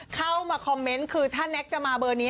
เข้ามาคอมเมนต์คือถ้าแน็กจะมาเบอร์นี้